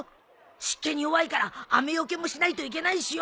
湿気に弱いから雨よけもしないといけないしよう。